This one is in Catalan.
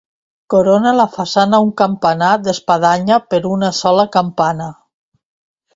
Corona la façana un campanar d'espadanya per una sola campana.